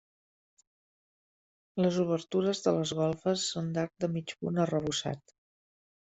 Les obertures de les golfes són d'arc de mig punt arrebossat.